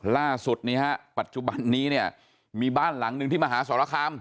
ล่าสุดนี้ฮะปัจจุบันนี้เนี่ยมีบ้านหลังหนึ่งที่มหาสรคาม